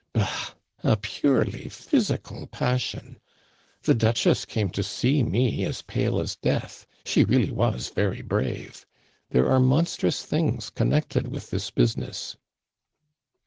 Bah! A purely physical passion. The Duchess came to see me as pale as death; she really was very brave. There are monstrous things connected with this business."